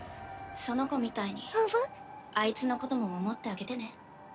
その子みたいにあいつのことも守ってあげてね。